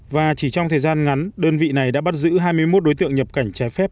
và chỉ trong thời gian ngắn đơn vị này đã bắt giữ hai mươi một đối tượng nhập cảnh trái phép